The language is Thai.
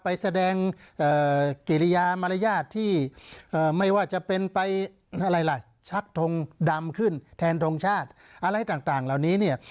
ไปแสดงเกรียมารยาทที่ไม่ว่าจะไปชักทรงดำขึ้นแทนทรงชาติอะไรต่างเหล่านี้